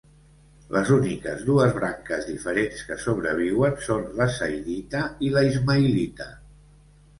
Les úniques dues branques diferents que sobreviuen són la zaidita i la ismaïlita.